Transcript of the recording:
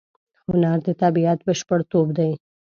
هنر د طبیعت بشپړتوب دی.